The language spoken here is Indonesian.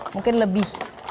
mungkin lebih fokus